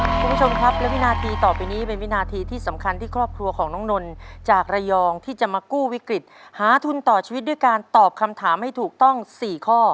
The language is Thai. คุณผู้ชมครับและวินาทีต่อไปนี้เป็นวินาทีที่สำคัญที่ครอบครัวของน้องนนจากระยองที่จะมากู้วิกฤตหาทุนต่อชีวิตด้วยการตอบคำถามให้ถูกต้อง๔ข้อ